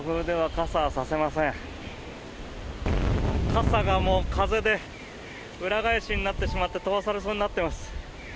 傘がもう風で裏返しになってしまって飛ばされそうになっています。